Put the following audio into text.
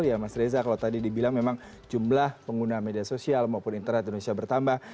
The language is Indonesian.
ya mas reza kalau tadi dibilang memang jumlah pengguna media sosial maupun internet indonesia bertambah